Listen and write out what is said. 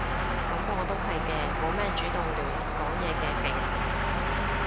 噉我都係嘅，冇乜主動撩人講嘢嘅技能